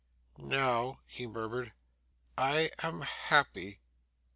'Now,' he murmured, 'I am happy.